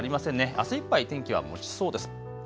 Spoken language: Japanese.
あすいっぱい天気はもちそうです。